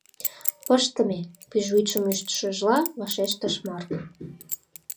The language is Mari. — Пыштыме, — пӱжвӱдшым ӱштшыжла вашештыш Марк.